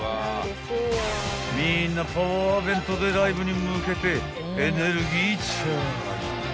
［みんなパワー弁当でライブに向けてエネルギーチャージ］